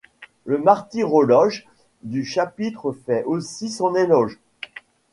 Le martyrologe du chapitre fait aussi son éloge.